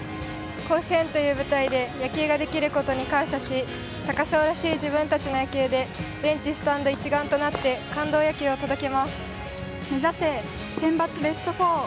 甲子園という舞台で野球ができることに感謝し高商らしい自分たちの野球でベンチ、スタンド一丸となって目指せセンバツベスト４！